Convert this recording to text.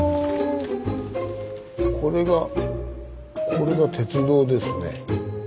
これがこれが鉄道ですね。